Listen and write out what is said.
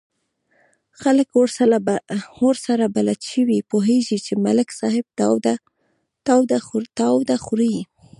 خلک ورسره بلد شوي، پوهېږي چې ملک صاحب تاوده خوري.